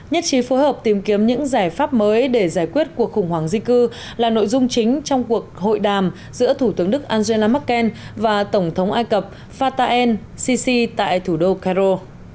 nhất trí phối hợp tìm kiếm những giải pháp mới để giải quyết cuộc khủng hoảng di cư là nội dung chính trong cuộc hội đàm giữa thủ tướng đức angela merkel và tổng thống ai cập fatahel sisi tại thủ đô cairo